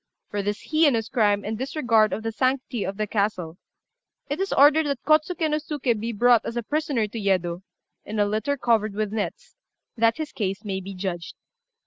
For this heinous crime and disregard of the sanctity of the castle, it is ordered that Kôtsuké no Suké be brought as a prisoner to Yedo, in a litter covered with nets, that his case may be judged.